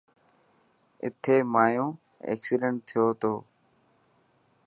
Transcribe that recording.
اٿي مايو ايڪسيڊنٽ ٿيو تو.